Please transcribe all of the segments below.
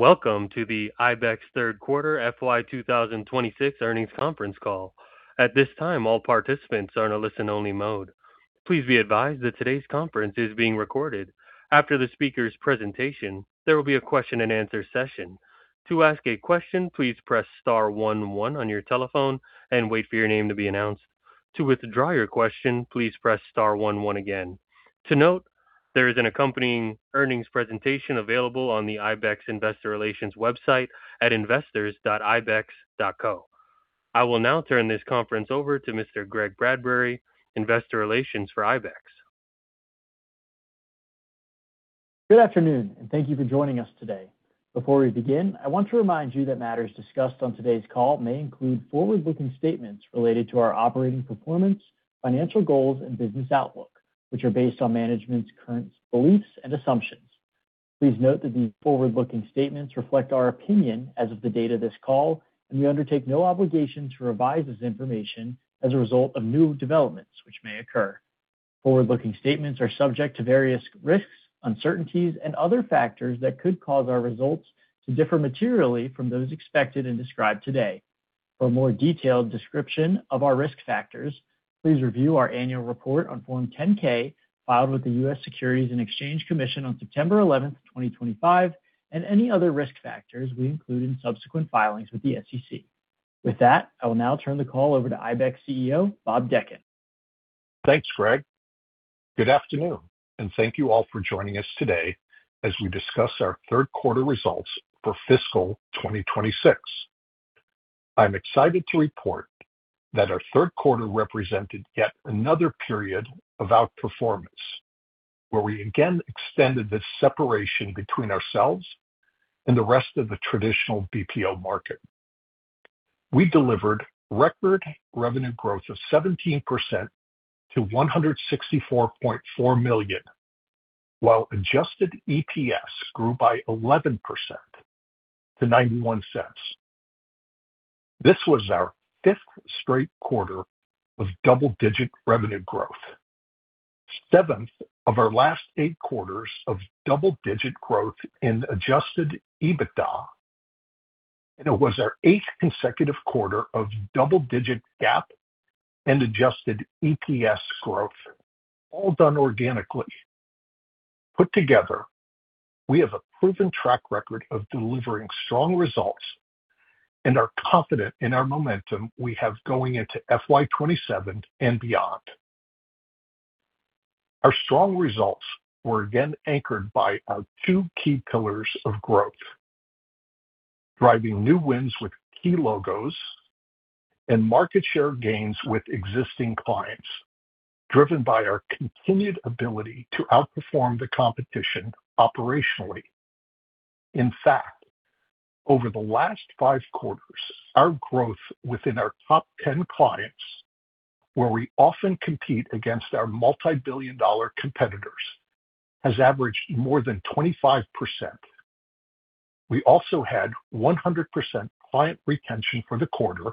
Welcome to the IBEX third quarter FY 2026 earnings conference call. At this time, all participants are in a listen only mode. Please be advised that today's conference is being recorded. After the speaker's presentation, there will be a question-and answer session. To ask a question, please press star one one on your telephone and wait for your name to be announced. To withdraw your question, please press star one one again. To note, there is an accompanying earnings presentation available on the IBEX Investor Relations website at investors.ibex.co. I will now turn this conference over to Mr. Greg Bradbury, investor relations for IBEX. Good afternoon, and thank you for joining us today. Before we begin, I want to remind you that matters discussed on today's call may include forward-looking statements related to our operating performance, financial goals, and business outlook, which are based on management's current beliefs and assumptions. Please note that these forward-looking statements reflect our opinion as of the date of this call, and we undertake no obligation to revise this information as a result of new developments which may occur. Forward-looking statements are subject to various risks, uncertainties, and other factors that could cause our results to differ materially from those expected and described today. For a more detailed description of our risk factors, please review our annual report on Form 10-K filed with the U.S. Securities and Exchange Commission on September 11, 2025, and any other risk factors we include in subsequent filings with the SEC. With that, I will now turn the call over to IBEX CEO, Bob Dechant. Thanks, Greg. Good afternoon, and thank you all for joining us today as we discuss our third quarter results for fiscal 2026. I'm excited to report that our third quarter represented yet another period of outperformance, where we again extended the separation between ourselves and the rest of the traditional BPO market. We delivered record revenue growth of 17% to $164.4 million, while adjusted EPS grew by 11% to $0.91. This was our fifth straight quarter of double-digit revenue growth, seventh of our last eight quarters of double-digit growth in adjusted EBITDA. It was our eighth consecutive quarter of double-digit GAAP and adjusted EPS growth, all done organically. Put together, we have a proven track record of delivering strong results and are confident in our momentum we have going into FY 2027 and beyond. Our strong results were again anchored by our two key pillars of growth, driving new wins with key logos and market share gains with existing clients, driven by our continued ability to outperform the competition operationally. In fact, over the last five quarters, our growth within our top 10 clients, where we often compete against our multi-billion dollar competitors, has averaged more than 25%. We also had 100% client retention for the quarter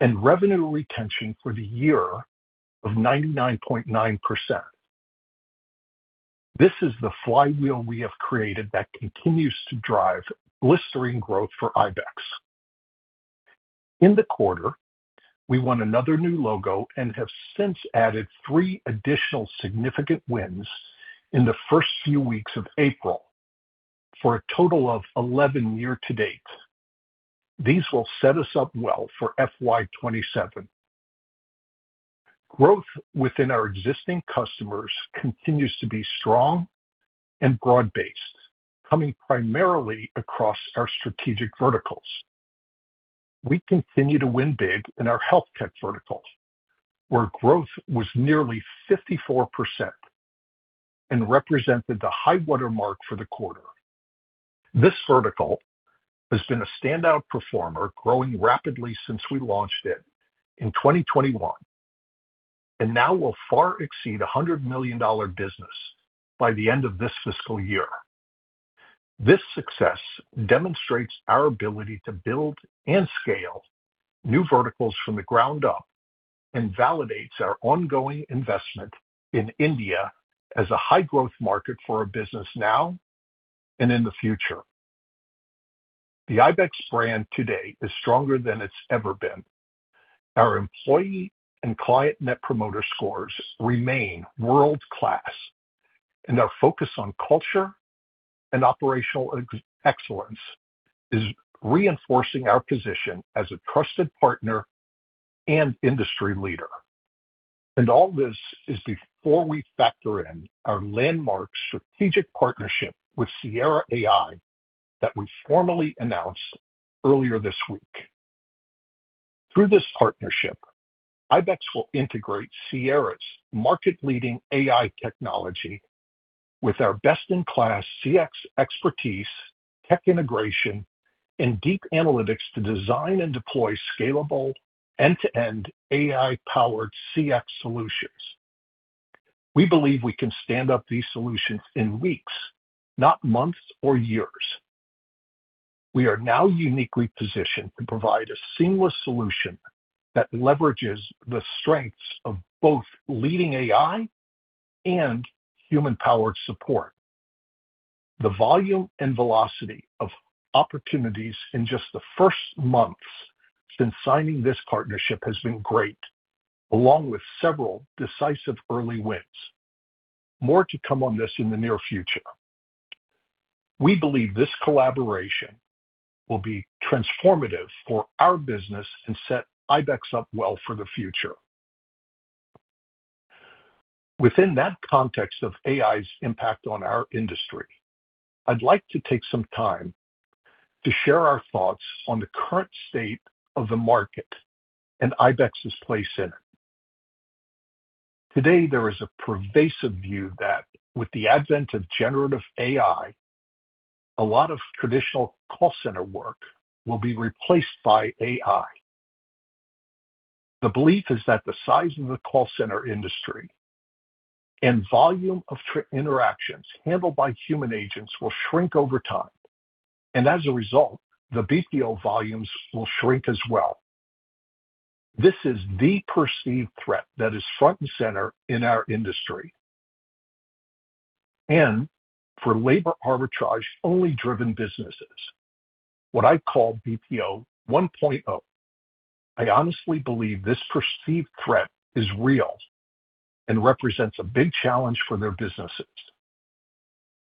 and revenue retention for the year of 99.9%. This is the flywheel we have created that continues to drive blistering growth for IBEX. In the quarter, we won another new logo and have since added three additional significant wins in the first few weeks of April for a total of 11 year-to-date. These will set us up well for FY 2027. Growth within our existing customers continues to be strong and broad-based, coming primarily across our strategic verticals. We continue to win big in our health tech verticals, where growth was nearly 54% and represented the high water mark for the quarter. This vertical has been a standout performer, growing rapidly since we launched it in 2021, and now will far exceed a $100 million business by the end of this fiscal year. This success demonstrates our ability to build and scale new verticals from the ground up and validates our ongoing investment in India as a high-growth market for our business now and in the future. The Ibex brand today is stronger than it's ever been. Our employee and client Net Promoter Scores remain world-class, and our focus on culture and operational excellence is reinforcing our position as a trusted partner and industry leader. All this is before we factor in our landmark strategic partnership with Sierra that we formally announced earlier this week. Through this partnership, IBEX will integrate Sierra's market-leading AI technology with our best-in-class CX expertise, tech integration, and deep analytics to design and deploy scalable end-to-end AI-powered CX solutions. We believe we can stand up these solutions in weeks, not months or years. We are now uniquely positioned to provide a seamless solution that leverages the strengths of both leading AI and human-powered support. The volume and velocity of opportunities in just the first months since signing this partnership has been great, along with several decisive early wins. More to come on this in the near future. We believe this collaboration will be transformative for our business and set IBEX up well for the future. Within that context of AI's impact on our industry, I'd like to take some time to share our thoughts on the current state of the market and IBEX's place in it. Today, there is a pervasive view that with the advent of generative AI, a lot of traditional call center work will be replaced by AI. The belief is that the size of the call center industry and volume of interactions handled by human agents will shrink over time, as a result, the BPO volumes will shrink as well. This is the perceived threat that is front and center in our industry. For labor arbitrage only driven businesses, what I call BPO 1.0, I honestly believe this perceived threat is real and represents a big challenge for their businesses.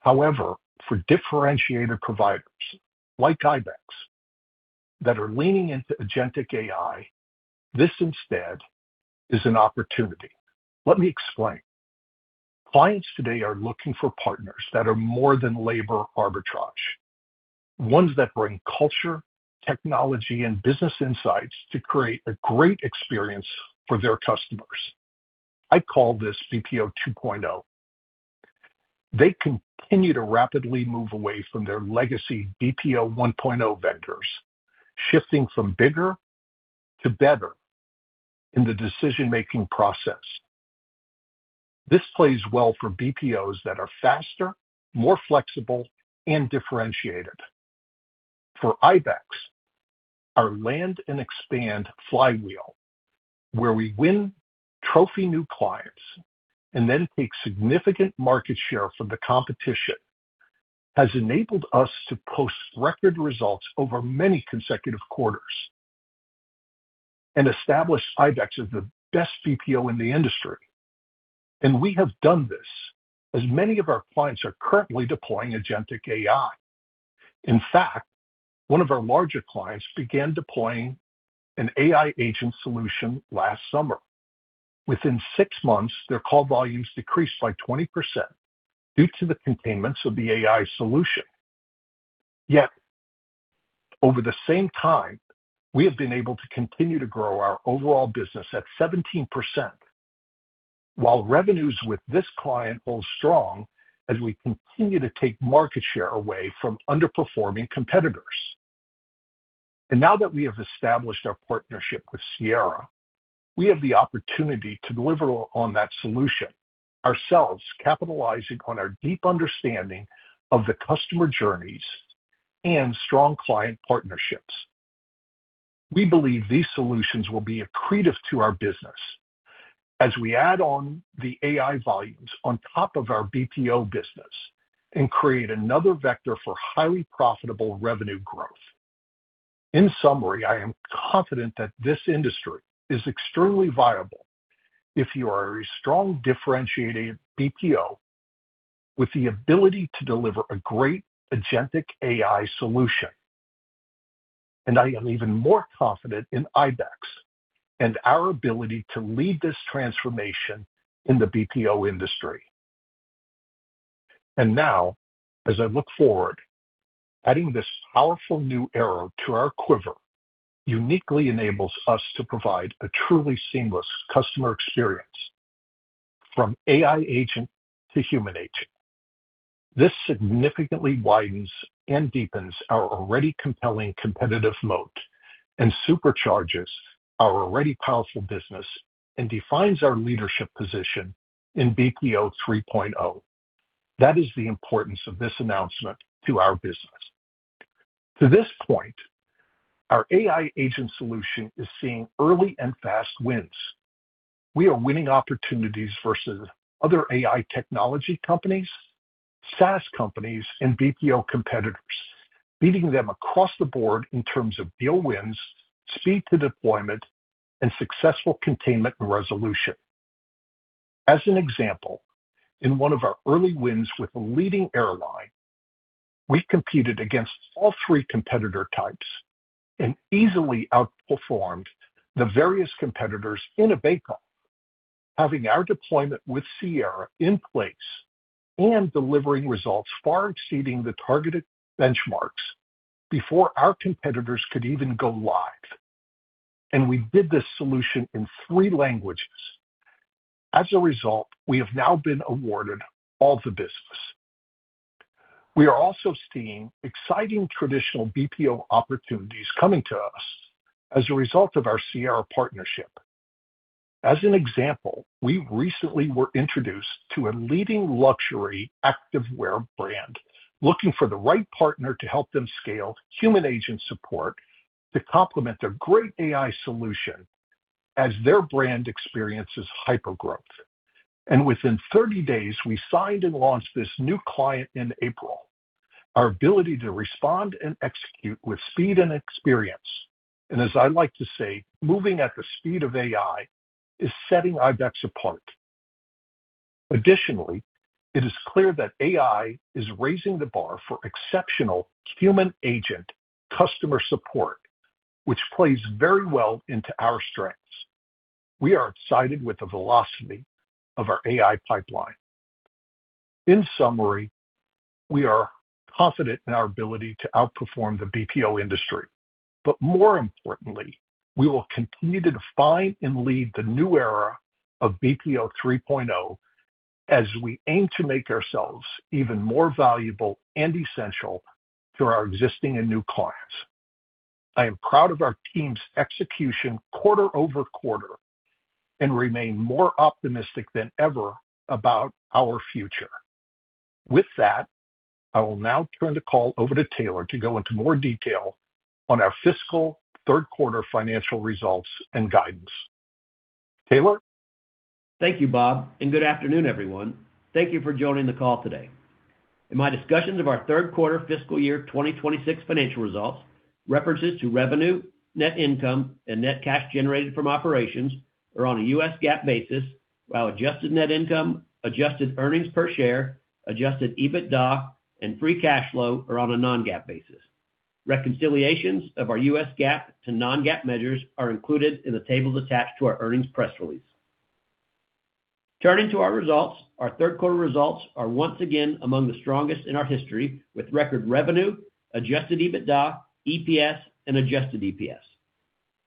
However, for differentiated providers like IBEX that are leaning into Agentic AI, this instead is an opportunity. Let me explain. Clients today are looking for partners that are more than labor arbitrage, ones that bring culture, technology, and business insights to create a great experience for their customers. I call this BPO 2.0. They continue to rapidly move away from their legacy BPO 1.0 vendors, shifting from bigger to better in the decision-making process. This plays well for BPOs that are faster, more flexible, and differentiated. For IBEX, our land and expand flywheel, where we win trophy new clients and then take significant market share from the competition, has enabled us to post record results over many consecutive quarters and establish IBEX as the best BPO in the industry. We have done this as many of our clients are currently deploying Agentic AI. In fact, one of our larger clients began deploying an AI agent solution last summer. Within six months, their call volumes decreased by 20% due to the containments of the AI solution. Yet over the same time, we have been able to continue to grow our overall business at 17%, while revenues with this client hold strong as we continue to take market share away from underperforming competitors. Now that we have established our partnership with Sierra, we have the opportunity to deliver on that solution ourselves, capitalizing on our deep understanding of the customer journeys and strong client partnerships. We believe these solutions will be accretive to our business as we add on the AI volumes on top of our BPO business and create another vector for highly profitable revenue growth. In summary, I am confident that this industry is extremely viable if you are a strong differentiating BPO with the ability to deliver a great Agentic AI solution. I am even more confident in IBEX and our ability to lead this transformation in the BPO industry. Now, as I look forward, adding this powerful new arrow to our quiver uniquely enables us to provide a truly seamless customer experience from AI agent to human agent. This significantly widens and deepens our already compelling competitive moat and supercharges our already powerful business and defines our leadership position in BPO 3.0. That is the importance of this announcement to our business. To this point, our AI agent solution is seeing early and fast wins. We are winning opportunities versus other AI technology companies, SaaS companies, and BPO competitors, beating them across the board in terms of deal wins, speed to deployment, and successful containment and resolution. As an example, in one of our early wins with a leading airline, we competed against all three competitor types and easily outperformed the various competitors in a bake-off, having our deployment with Sierra in place and delivering results far exceeding the targeted benchmarks before our competitors could even go live. We did this solution in three languages. As a result, we have now been awarded all the business. We are also seeing exciting traditional BPO opportunities coming to us as a result of our Sierra partnership. As an example, we recently were introduced to a leading luxury activewear brand looking for the right partner to help them scale human agent support to complement their great AI solution as their brand experiences hypergrowth. Within 30 days, we signed and launched this new client in April. Our ability to respond and execute with speed and experience, and as I like to say, moving at the speed of AI, is setting IBEX apart. Additionally, it is clear that AI is raising the bar for exceptional human agent customer support, which plays very well into our strengths. We are excited with the velocity of our AI pipeline. In summary, we are confident in our ability to outperform the BPO industry. More importantly, we will continue to define and lead the new era of BPO 3.0 as we aim to make ourselves even more valuable and essential to our existing and new clients. I am proud of our team's execution quarter-over-quarter and remain more optimistic than ever about our future. With that, I will now turn the call over to Taylor to go into more detail on our fiscal third quarter financial results and guidance. Taylor? Thank you, Bob. Good afternoon, everyone. Thank you for joining the call today. In my discussions of our third quarter fiscal year 2026 financial results, references to revenue, net income, and net cash generated from operations are on a US GAAP basis, while adjusted Net Income, adjusted Earnings Per Share, adjusted EBITDA, and free cash flow are on a non-GAAP basis. Reconciliations of our US GAAP to non-GAAP measures are included in the tables attached to our earnings press release. Turning to our results, our third quarter results are once again among the strongest in our history, with record revenue, adjusted EBITDA, EPS, and adjusted EPS.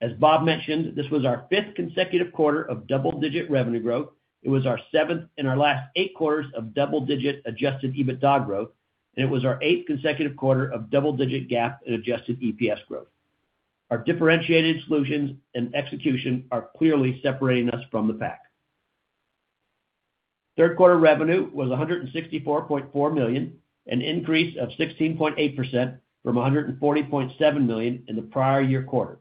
As Bob mentioned, this was our fifth consecutive quarter of double-digit revenue growth. It was our seventh in our last eight quarters of double-digit Adjusted EBITDA growth, and it was our eighth consecutive quarter of double-digit GAAP and adjusted EPS growth. Our differentiated solutions and execution are clearly separating us from the pack. Third quarter revenue was $164.4 million, an increase of 16.8% from $140.7 million in the prior year quarter.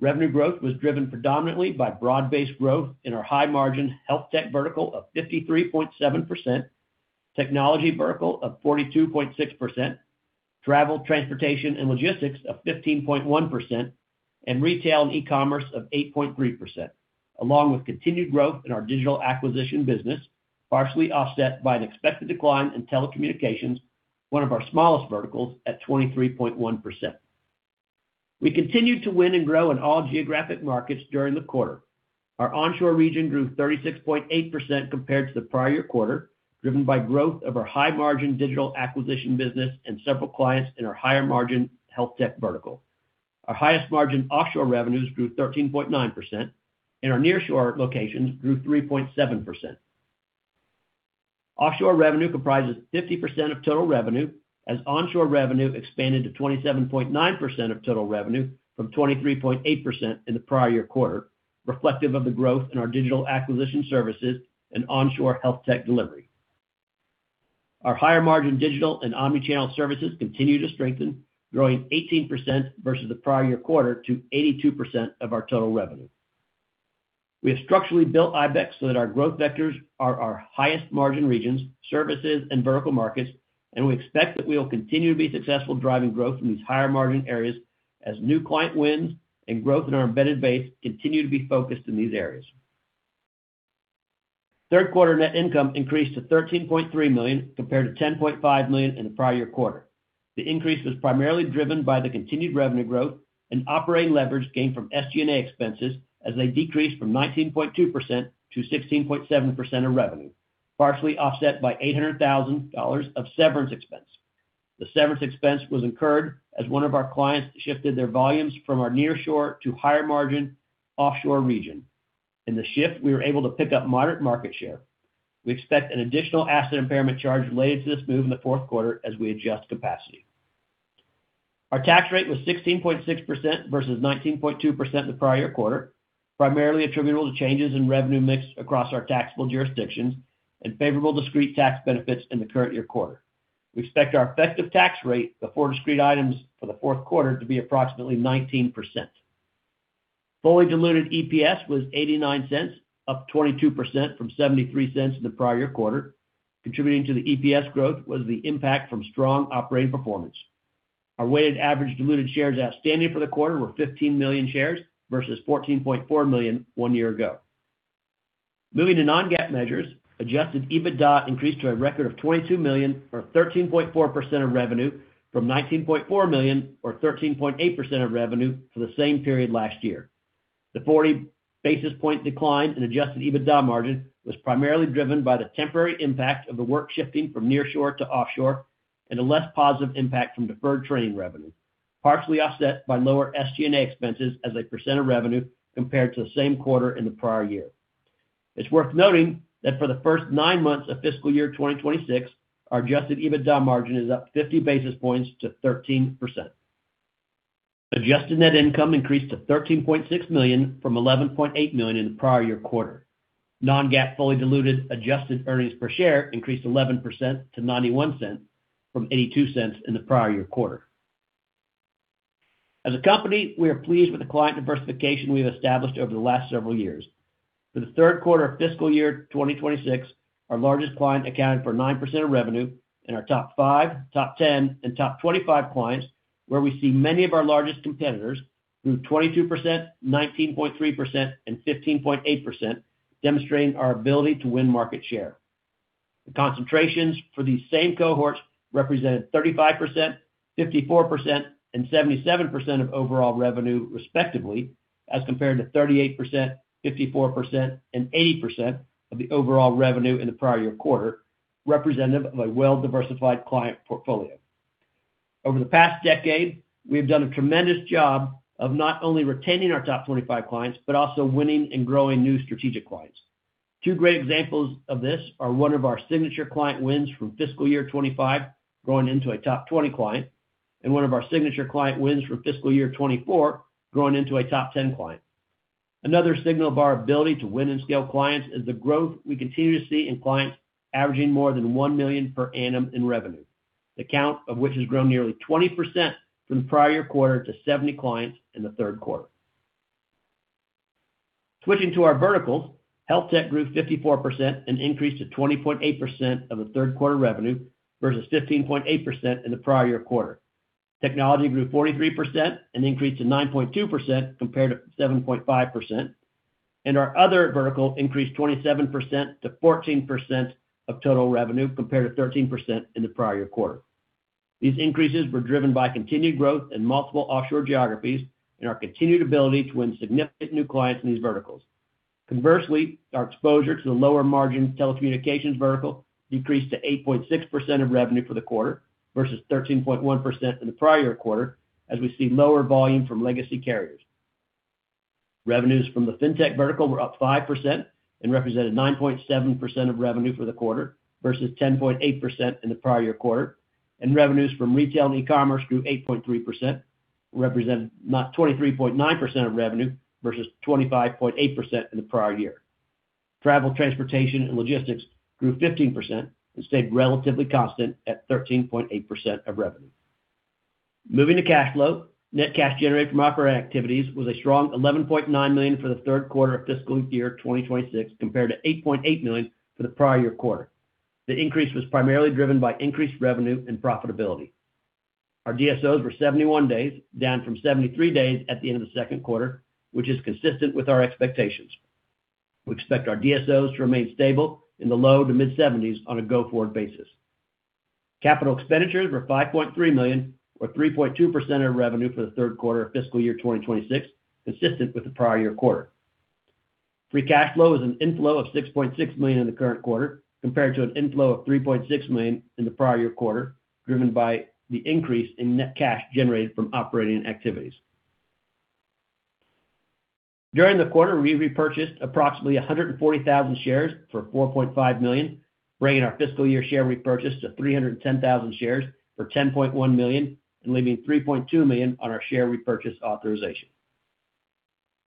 Revenue growth was driven predominantly by broad-based growth in our high-margin health tech vertical of 53.7%, technology vertical of 42.6%, travel, transportation, and logistics of 15.1%, and retail and e-commerce of 8.3%, along with continued growth in our digital acquisition business, partially offset by an expected decline in telecommunications, one of our smallest verticals, at 23.1%. We continued to win and grow in all geographic markets during the quarter. Our onshore region grew 36.8% compared to the prior year quarter, driven by growth of our high-margin digital acquisition business and several clients in our higher-margin health tech vertical. Our highest-margin offshore revenues grew 13.9%, and our nearshore locations grew 3.7%. Offshore revenue comprises 50% of total revenue, as onshore revenue expanded to 27.9% of total revenue from 23.8% in the prior year quarter, reflective of the growth in our digital acquisition services and onshore health tech delivery. Our higher-margin digital and omni-channel services continue to strengthen, growing 18% versus the prior year quarter to 82% of our total revenue. We have structurally built IBEX so that our growth vectors are our highest-margin regions, services, and vertical markets, and we expect that we will continue to be successful driving growth in these higher-margin areas as new client wins and growth in our embedded base continue to be focused in these areas. Third quarter net income increased to $13.3 million compared to $10.5 million in the prior year quarter. The increase was primarily driven by the continued revenue growth and operating leverage gained from SG&A expenses as they decreased from 19.2%-16.7% of revenue, partially offset by $800,000 of severance expense. The severance expense was incurred as one of our clients shifted their volumes from our nearshore to higher-margin offshore region. In the shift, we were able to pick up moderate market share. We expect an additional asset impairment charge related to this move in the fourth quarter as we adjust capacity. Our tax rate was 16.6% versus 19.2% in the prior year quarter, primarily attributable to changes in revenue mix across our taxable jurisdictions and favorable discrete tax benefits in the current year quarter. We expect our effective tax rate before discrete items for the fourth quarter to be approximately 19%. Fully diluted EPS was $0.89, up 22% from $0.73 in the prior year quarter. Contributing to the EPS growth was the impact from strong operating performance. Our weighted average diluted shares outstanding for the quarter were 15 million shares versus 14.4 million one year ago. Moving to non-GAAP measures, adjusted EBITDA increased to a record of $22 million or 13.4% of revenue from $19.4 million or 13.8% of revenue for the same period last year. The 40 basis point decline in adjusted EBITDA margin was primarily driven by the temporary impact of the work shifting from nearshore to offshore and a less positive impact from deferred training revenue, partially offset by lower SG&A expenses as a percentage of revenue compared to the same quarter in the prior year. It's worth noting that for the first nine months of fiscal year 2026, our adjusted EBITDA margin is up 50 basis points to 13%. Adjusted net income increased to $13.6 million from $11.8 million in the prior year quarter. Non-GAAP fully diluted adjusted EPS increased 11% to $0.91 from $0.82 in the prior year quarter. As a company, we are pleased with the client diversification we have established over the last several years. For the third quarter of fiscal year 2026, our largest client accounted for 9% of revenue, and our top five, top 10, and top 25 clients, where we see many of our largest competitors, grew 22%, 19.3%, and 15.8%, demonstrating our ability to win market share. The concentrations for these same cohorts represented 35%, 54%, and 77% of overall revenue respectively, as compared to 38%, 54%, and 80% of the overall revenue in the prior year quarter, representative of a well-diversified client portfolio. Over the past decade, we have done a tremendous job of not only retaining our top 25 clients, but also winning and growing new strategic clients. Two great examples of this are one of our signature client wins from fiscal year 2025, growing into a top 20 client, and one of our signature client wins from fiscal year 2024, growing into a top 10 client. Another signal of our ability to win and scale clients is the growth we continue to see in clients averaging more than $1 million per annum in revenue, the count of which has grown nearly 20% from the prior-year quarter to 70 clients in the third quarter. Switching to our verticals, health tech grew 54%, an increase to 20.8% of the third quarter revenue versus 15.8% in the prior-year quarter. Technology grew 43%, an increase to 9.2% compared to 7.5%. Our other vertical increased 27%-14% of total revenue compared to 13% in the prior year quarter. These increases were driven by continued growth in multiple offshore geographies and our continued ability to win significant new clients in these verticals. Conversely, our exposure to the lower margin telecommunications vertical decreased to 8.6% of revenue for the quarter versus 13.1% in the prior quarter, as we see lower volume from legacy carriers. Revenues from the fintech vertical were up 5% and represented 9.7% of revenue for the quarter versus 10.8% in the prior year quarter, and revenues from retail and e-commerce grew 8.3%, representing 23.9% of revenue versus 25.8% in the prior year. Travel, transportation, and logistics grew 15% and stayed relatively constant at 13.8% of revenue. Moving to cash flow. Net cash generated from operating activities was a strong $11.9 million for the third quarter of fiscal year 2026 compared to $8.8 million for the prior year quarter. The increase was primarily driven by increased revenue and profitability. Our DSOs were 71 days, down from 73 days at the end of the second quarter, which is consistent with our expectations. We expect our DSOs to remain stable in the low to mid-70s on a go-forward basis. Capital expenditures were $5.3 million or 3.2% of revenue for the third quarter of fiscal year 2026, consistent with the prior year quarter. Free cash flow was an inflow of $6.6 million in the current quarter compared to an inflow of $3.6 million in the prior year quarter, driven by the increase in net cash generated from operating activities. During the quarter, we repurchased approximately 140,000 shares for $4.5 million, bringing our fiscal year share repurchase to 310,000 shares for $10.1 million, and leaving $3.2 million on our share repurchase authorization.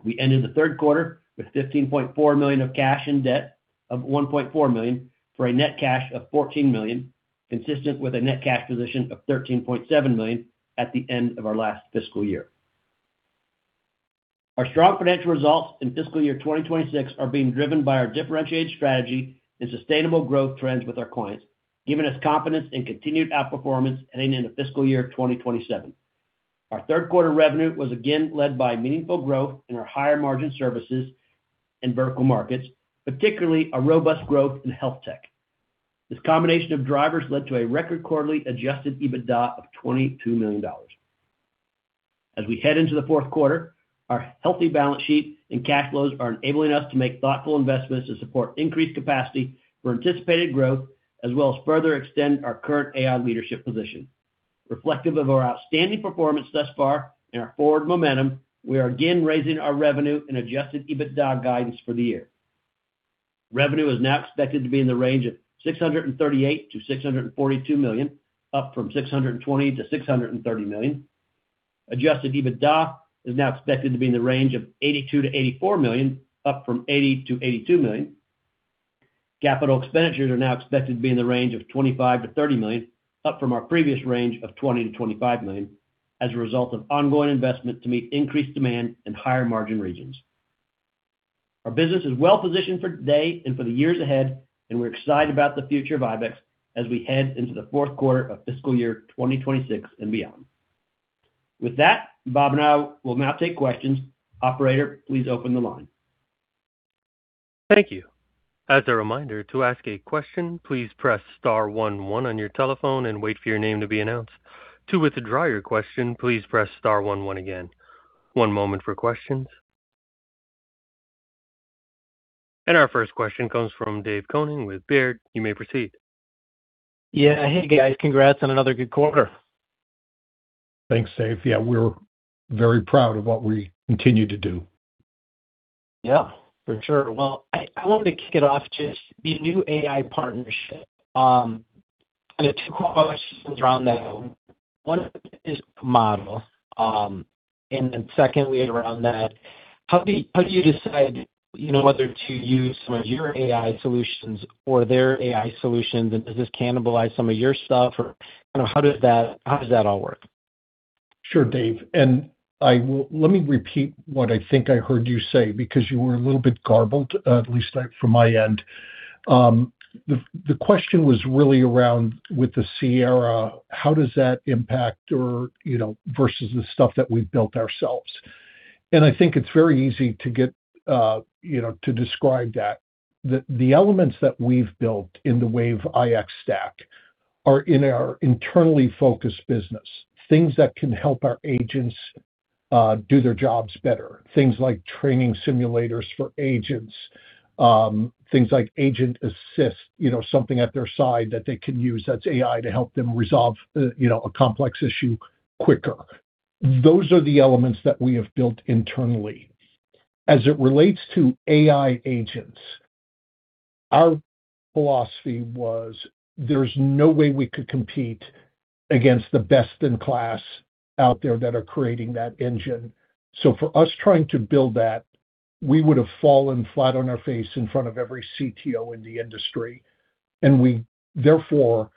We ended the third quarter with $15.4 million of cash and debt of $1.4 million for a net cash of $14 million, consistent with a net cash position of $13.7 million at the end of our last fiscal year. Our strong financial results in fiscal year 2026 are being driven by our differentiated strategy and sustainable growth trends with our clients, giving us confidence in continued outperformance heading into fiscal year 2027. Our third quarter revenue was again led by meaningful growth in our higher margin services and vertical markets, particularly a robust growth in health tech. This combination of drivers led to a record quarterly adjusted EBITDA of $22 million. As we head into the fourth quarter, our healthy balance sheet and cash flows are enabling us to make thoughtful investments to support increased capacity for anticipated growth, as well as further extend our current AI leadership position. Reflective of our outstanding performance thus far and our forward momentum, we are again raising our revenue and adjusted EBITDA guidance for the year. Revenue is now expected to be in the range of $638 million-$642 million, up from $620 million-$630 million. Adjusted EBITDA is now expected to be in the range of $82 million-$84 million, up from $80 million-$82 million. CapEx are now expected to be in the range of $25 million-$30 million, up from our previous range of $20 million-$25 million as a result of ongoing investment to meet increased demand in higher margin regions. Our business is well positioned for today and for the years ahead. We're excited about the future of IBEX as we head into Q4 of fiscal year 2026 and beyond. With that, Bob and I will now take questions. Operator, please open the line. Thank you. As a reminder, to ask a question, please press star one one on your telephone and wait for your name to be announced. To withdraw your question, please press star one one again. One moment for questions. Our first question comes from Dave Koning with Baird. You may proceed. Yeah. Hey, guys. Congrats on another good quarter. Thanks, Dave. Yeah, we're very proud of what we continue to do. Yeah, for sure. Well, I wanted to kick it off just the new AI partnership. I have two questions around that. One is model. Then secondly around that, how do you, how do you decide, you know, whether to use some of your AI solutions or their AI solutions? Does this cannibalize some of your stuff? You know, how does that, how does that all work? Sure, Dave. Let me repeat what I think I heard you say because you were a little bit garbled, at least from my end. The question was really around with the Sierra, how does that impact or, you know, versus the stuff that we've built ourselves. I think it's very easy to get, you know, to describe that. The elements that we've built in the Wave iX stack are in our internally focused business, things that can help our agents do their jobs better. Things like training simulators for agents, things like agent assist, you know, something at their side that they can use that's AI to help them resolve, you know, a complex issue quicker. Those are the elements that we have built internally. As it relates to AI agents, our philosophy was there's no way we could compete against the best in class out there that are creating that engine. For us trying to build that, we would have fallen flat on our face in front of every CTO in the industry. We therefore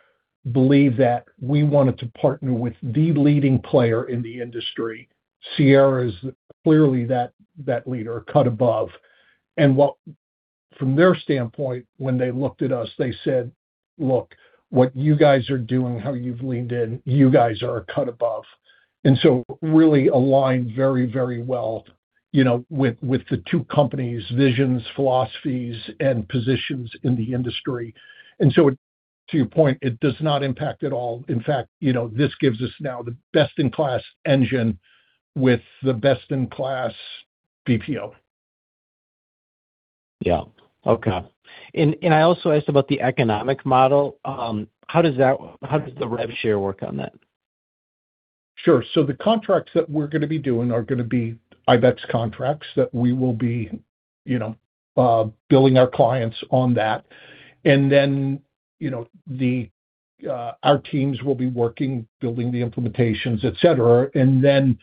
believe that we wanted to partner with the leading player in the industry. Sierra is clearly that leader, a cut above. From their standpoint, when they looked at us, they said, "Look, what you guys are doing, how you've leaned in, you guys are a cut above." Really aligned very well, you know, with the two companies' visions, philosophies, and positions in the industry. To your point, it does not impact at all. In fact, you know, this gives us now the best in class engine with the best in class BPO. Yeah. Okay. I also asked about the economic model. How does the rev share work on that? Sure. The contracts that we're gonna be doing are gonna be IBEX contracts that we will be, you know, billing our clients on that. Then, you know, our teams will be working, building the implementations, et cetera. Then,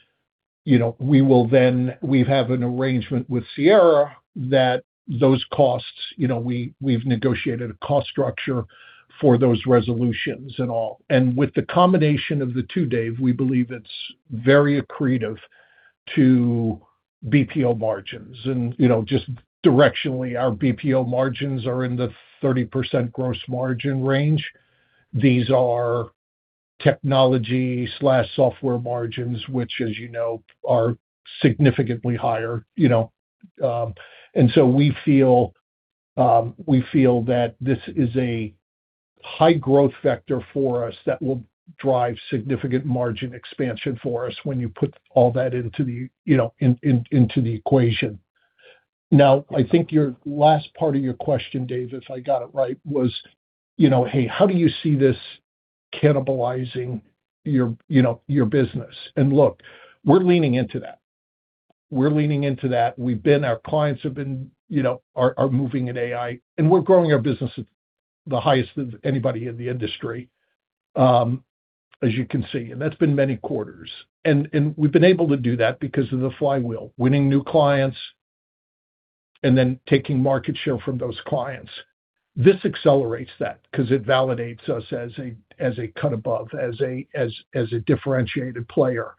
you know, we have an arrangement with Sierra that those costs, you know, we've negotiated a cost structure for those resolutions and all. With the combination of the two, Dave, we believe it's very accretive to BPO margins. You know, just directionally, our BPO margins are in the 30% gross margin range. These are technology slash software margins, which, as you know, are significantly higher, you know. We feel, we feel that this is a high growth vector for us that will drive significant margin expansion for us when you put all that into the, you know, into the equation. I think your last part of your question, Dave, if I got it right, was, you know, hey, how do you see this cannibalizing your, you know, your business? Look, we're leaning into that. We're leaning into that. Our clients have been, you know, moving in AI, and we're growing our business at the highest of anybody in the industry, as you can see. That's been many quarters. We've been able to do that because of the flywheel, winning new clients and then taking market share from those clients. This accelerates that because it validates us as a, as a cut above, as a differentiated player.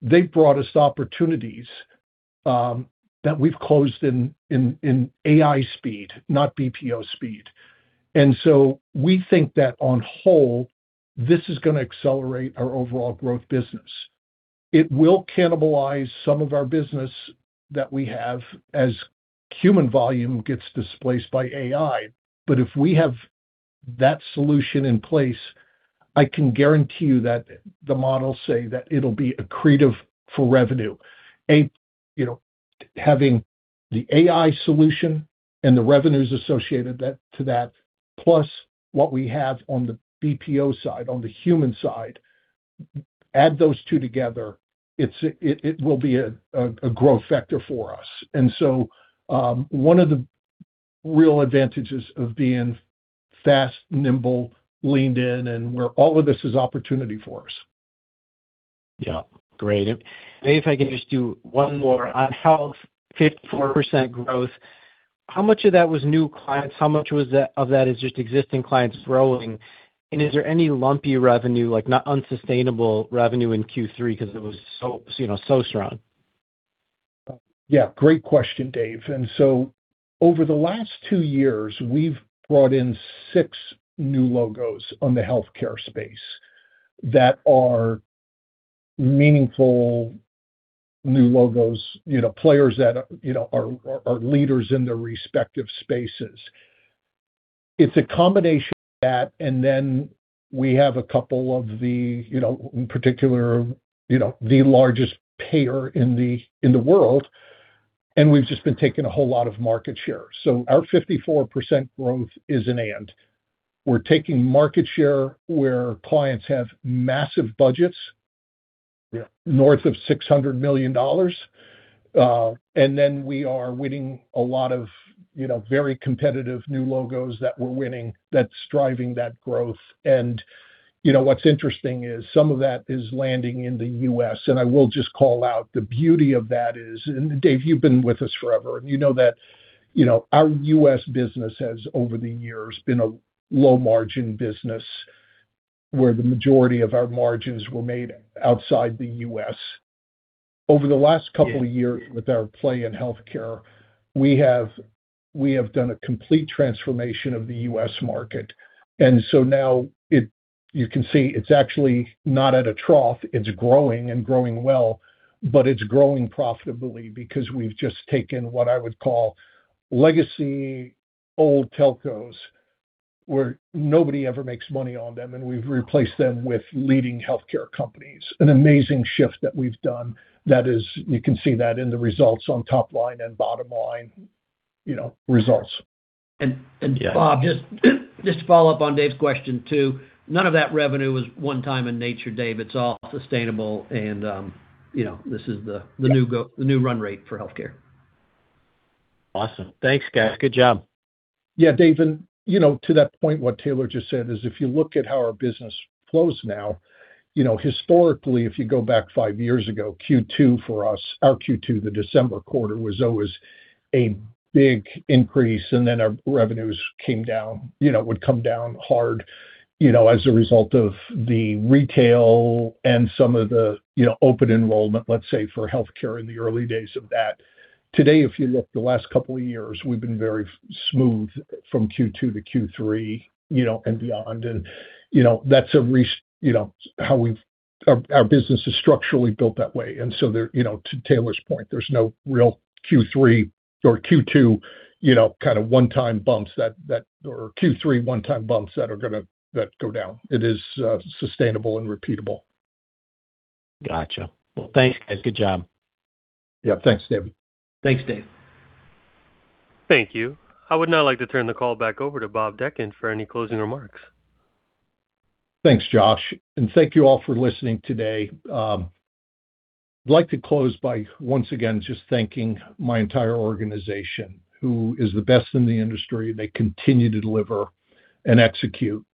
As I mentioned on my remarks, they brought us opportunities that we've closed in AI speed, not BPO speed. We think that on whole, this is gonna accelerate our overall growth business. It will cannibalize some of our business that we have as human volume gets displaced by AI. If we have that solution in place, I can guarantee you that the models say that it'll be accretive for revenue. You know, having the AI solution and the revenues associated to that, plus what we have on the BPO side, on the human side, add those two together, it will be a growth factor for us. One of the real advantages of being fast, nimble, leaned in, and where all of this is opportunity for us. Yeah. Great. If I can just do one more. On health, 54% growth, how much of that was new clients? How much of that is just existing clients growing? Is there any lumpy revenue, like not unsustainable revenue in Q3 because it was so, you know, so strong? Yeah, great question, Dave. Over the last two years, we've brought in six new logos on the healthcare space that are meaningful new logos, you know, players that are, you know, are leaders in their respective spaces. It's a combination of that, we have a couple of the, you know, in particular, you know, the largest payer in the world. We've just been taking a whole lot of market share. Our 54% growth is an and. We're taking market share where clients have massive budgets, north of $600 million. Then we are winning a lot of, you know, very competitive new logos that we're winning that's driving that growth. You know, what's interesting is some of that is landing in the U.S., and I will just call out the beauty of that is Dave, you've been with us forever, and you know that, you know, our U.S. business has, over the years, been a low-margin business, where the majority of our margins were made outside the U.S. Over the last two years with our play in healthcare, we have done a complete transformation of the U.S. market. Now you can see it's actually not at a trough, it's growing and growing well, but it's growing profitably because we've just taken what I would call legacy old telcos, where nobody ever makes money on them, and we've replaced them with leading healthcare companies. An amazing shift that we've done that is, you can see that in the results on top line and bottom line, you know, results. Bob, just to follow-up on Dave's question too. None of that revenue was one time in nature, Dave. It's all sustainable and, you know, this is the new run rate for healthcare. Awesome. Thanks, guys. Good job. Yeah, Dave. You know, to that point, what Taylor just said is if you look at how our business flows now, you know, historically, if you go back five years ago, Q2 for us, our Q2, the December quarter, was always a big increase, then our revenues came down. You know, would come down hard, you know, as a result of the retail and some of the, you know, open enrollment, let's say, for healthcare in the early days of that. Today, if you look the last couple of years, we've been very smooth from Q2 to Q3, you know, and beyond. You know, you know, our business is structurally built that way. There, you know, to Taylor's point, there's no real Q3 or Q2, you know, kinda one-time bumps that or Q3 one-time bumps that are gonna, that go down. It is sustainable and repeatable. Gotcha. Well, thanks, guys. Good job. Yeah. Thanks, Dave. Thanks, Dave. Thank you. I would now like to turn the call back over to Bob Dechant for any closing remarks. Thanks, Josh. Thank you all for listening today. I'd like to close by once again just thanking my entire organization who is the best in the industry, and they continue to deliver and execute.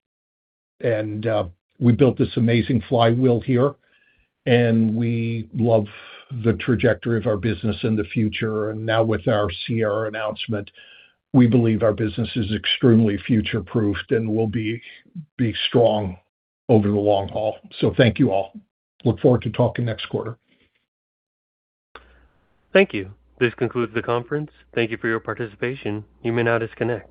We built this amazing flywheel here, and we love the trajectory of our business in the future. Now with our Sierra announcement, we believe our business is extremely future-proofed and will be strong over the long haul. Thank you all. Look forward to talking next quarter. Thank you. This concludes the conference. Thank you for your participation. You may now disconnect.